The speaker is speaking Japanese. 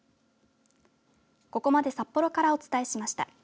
ここまで札幌からお伝えしました。